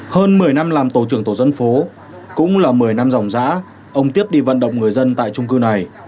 hơn một mươi năm làm tổ trưởng tổ dân phố cũng là một mươi năm dòng giã ông tiếp đi vận động người dân tại trung cư này